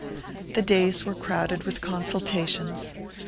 The days were crowded with consultations.